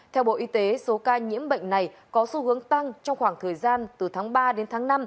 theo bộ y tế số ca nhiễm bệnh này có xu hướng tăng trong khoảng thời gian từ tháng ba đến tháng năm